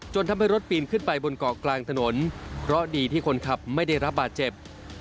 ทำให้รถปีนขึ้นไปบนเกาะกลางถนนเพราะดีที่คนขับไม่ได้รับบาดเจ็บ